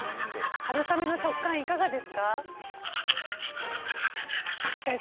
春雨の食感いかがですか。